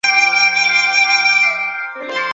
但单模光纤本身比多模光纤便宜。